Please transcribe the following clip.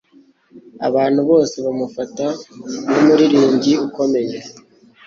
Abantu bose bamufata nkumuririmbyi ukomeye.